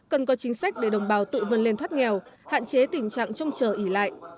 cần có chính sách để đồng bào tự vươn lên thoát nghèo hạn chế tình trạng trông chờ ỉ lại